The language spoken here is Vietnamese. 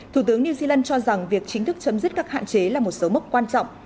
thủ tướng new zealand cho rằng việc chính thức chấm dứt các hạn chế là một số mốc quan trọng